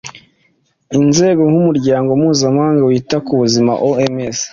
inzego nk’umuryango mpuzamahanga wita ku buzima (oms),